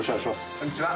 こんにちは。